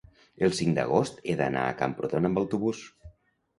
el cinc d'agost he d'anar a Camprodon amb autobús.